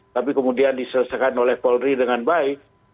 tapi kemudian diselesaikan oleh polri dengan baik